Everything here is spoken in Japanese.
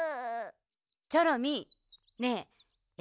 チョロミーねええ